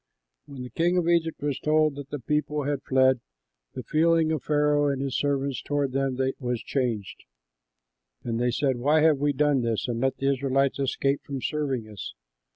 When the king of Egypt was told that the people had fled, the feeling of Pharaoh and his servants toward them was changed, and they said, "Why have we done this and let the Israelites escape from serving us?"